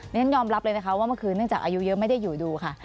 ฉันยอมรับเลยนะคะว่าเมื่อคืนเนื่องจากอายุเยอะไม่ได้อยู่ดูค่ะ